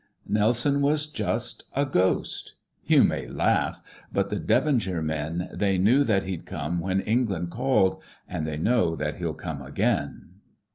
"Nelson was just a Ghost! You may laugh! But the Devonshire men They knew that he'd come when England called, And they know that he'll come again.